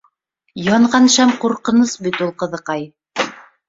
— Янған шәм ҡурҡыныс бит ул, ҡыҙыҡай.